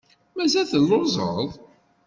Mazal telluẓeḍ?